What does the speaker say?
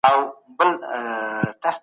ایا پس انداز د پرمختګ لپاره کافي دی؟